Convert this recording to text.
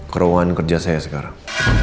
kerohan kerja saya sekarang